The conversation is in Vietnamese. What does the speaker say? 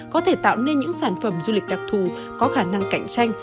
có thể tạo nên những sản phẩm du lịch đặc thù có khả năng cạnh tranh